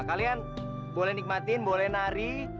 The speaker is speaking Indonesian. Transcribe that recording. kalian boleh nikmatin boleh nari